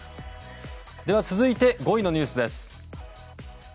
続いて５位のニュースです。